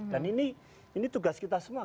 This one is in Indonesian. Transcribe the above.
dan ini tugas kita semua